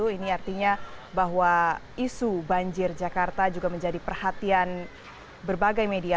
ini artinya bahwa isu banjir jakarta juga menjadi perhatian berbagai media